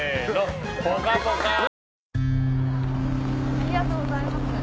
ありがとうございます。